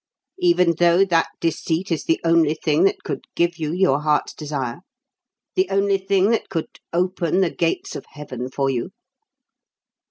"Even though that deceit is the only thing that could give you your heart's desire? The only thing that could open the Gates of Heaven for you?"